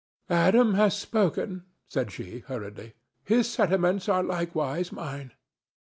"Adam has spoken," said she, hurriedly; "his sentiments are likewise mine."